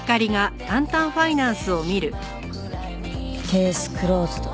ケースクローズド。